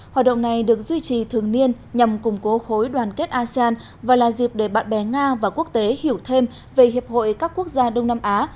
hoạt động này được duy trì thường niên nhằm củng cố khối đoàn kết asean và là dịp để bạn bè nga và quốc tế hiểu thêm về hiệp hội các quốc gia đông nam á